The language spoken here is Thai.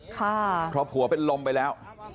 ค่ะก็ผัวลไปแล้ว